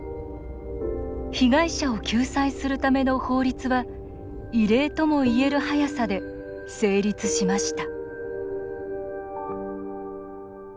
被害者を救済するための法律は異例ともいえる早さで成立しました。